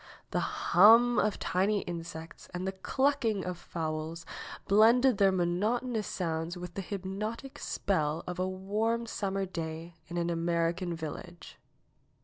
The hum of tiny insects and the clucking of fowls blended their monotonous sounds with the hypnotic spell of a warm summer day in an American village.